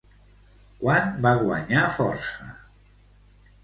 Quan va guanyar força?